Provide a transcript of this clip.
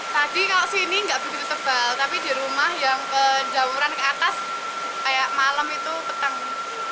tadi kalau sini nggak begitu tebal tapi di rumah yang penjauran ke atas kayak malam itu petang